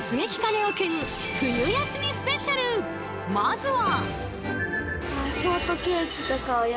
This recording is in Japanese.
まずは。